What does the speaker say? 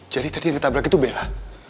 jadi tadi yang ditabrak itu bella